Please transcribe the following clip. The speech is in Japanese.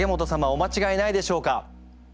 お間違えないでしょうか？